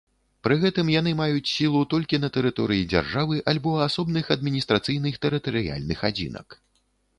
Пры гэтым яны маюць сілу толькі на тэрыторыі дзяржавы, альбо асобных адміністрацыйных тэрытарыяльных адзінак.